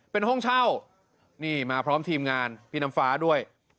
เป็นห้องเช่านี่มาพร้อมทีมงานพี่น้ำฟ้าด้วย